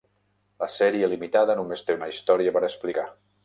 La sèrie limitada només té una història per explicar.